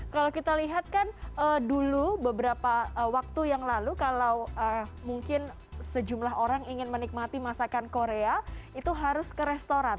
kalau kita lihat kan dulu beberapa waktu yang lalu kalau mungkin sejumlah orang ingin menikmati masakan korea itu harus ke restoran